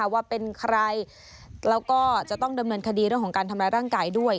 ว่าเป็นใครแล้วก็จะต้องดำเนินคดีเรื่องของการทำร้ายร่างกายด้วย